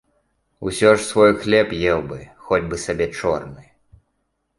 Усё ж свой хлеб еў бы, хоць бы сабе чорны!